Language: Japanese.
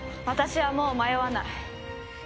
私はもう迷わない。